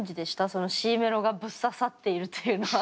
そのＣメロがぶっ刺さっているっていうのは。